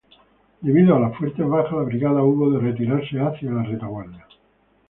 Debido a las fuertes bajas la brigada hubo de retirarse hacia la retaguardia.